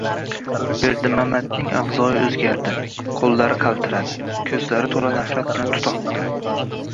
Berdimamatning avzoyi o’zgardi. Qo’llari qaltiradi. Ko’zlari to’la nafrat bilan tutoqdi: